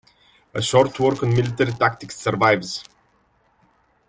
A short work on military tactics survives.